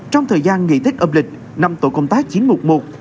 trong thời gian nghị thích âm lịch năm tội công tác chiến mục một